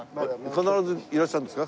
必ずいらっしゃるんですか？